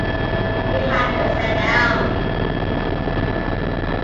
We have to set down.